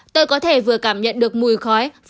tôi có thể vừa cảm nhận được mùi khói